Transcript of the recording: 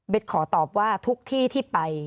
ขอตอบว่าทุกที่ที่ไป